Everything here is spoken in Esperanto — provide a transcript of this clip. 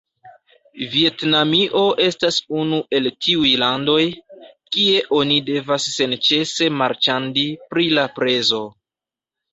Vjetnamio estas unu el tiuj landoj, kie oni devas senĉese marĉandi pri la prezo